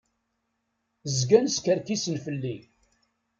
Zgan skerkisen fell-i.